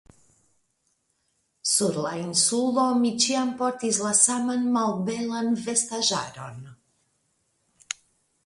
Sur la Insulo mi ĉiam portis la saman malbelan vestaĵaron.